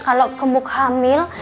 kalo gemuk hamil